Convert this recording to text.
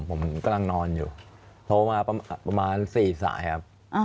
ผมกำลังนอนอยู่โทรมาประมาณ๔สายครับ